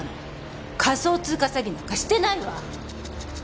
仮想通貨詐欺なんかしてないわ！